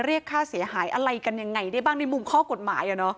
เรียกค่าเสียหายอะไรกันยังไงได้บ้างในมุมข้อกฎหมาย